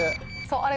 あれ。